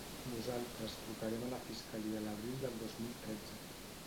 Nosaltres trucarem a la fiscalia l’abril del dos mil tretze.